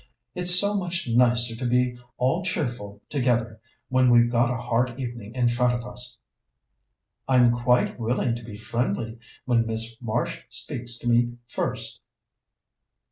It's so much nicer to be all cheerful together when we've got a hard evening in front of us." "I'm quite willing to be friendly, when Miss Marsh speaks to me first.